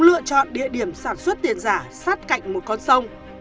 lựa chọn địa điểm sản xuất tiền giả sát cạnh một con sông